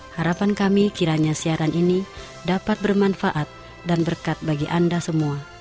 harapan kami kiranya siaran ini dapat bermanfaat dan berkat bagi anda semua